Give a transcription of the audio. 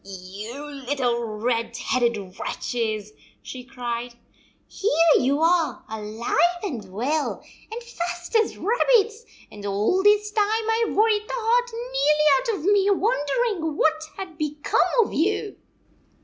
"You little red headed wretches," she cried. " Here you are alive and well, and fat as rabbits, and all this time I Ve worried the heart nearly out of me wondering what had become of you